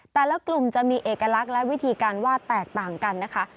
แต่ละกลุ่มจะมีเอกลักษณ์และวิธีการว่าแตกต่างกันนะคะ